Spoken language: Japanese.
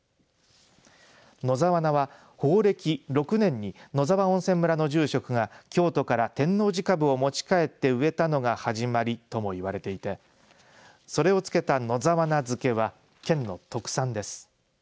野沢菜は宝暦６年に野沢温泉村の住職が京都から天王寺かぶを持ち帰って植えたのが始まりともいわれていてそれをつけた野沢菜漬は県の特産です。